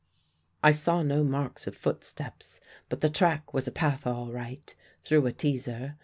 "I saw no marks of footsteps; but the track was a path all right, though a teazer.